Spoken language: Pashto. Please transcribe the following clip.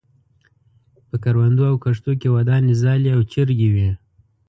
په کروندو او کښتو کې ودانې څالې او چرګۍ وې.